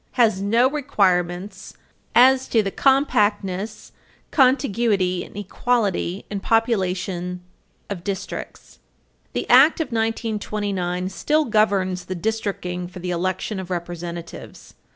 C. § 2(a), has no requirements "as to the compactness, contiguity and equality in population of districts." 287 U.S. at 287 U. S. 8. The Act of 1929 still governs the districting for the election of Representatives.